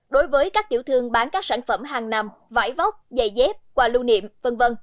đối với các tiểu thương bán các sản phẩm hàng nằm vải vóc giày dép quà lưu niệm v v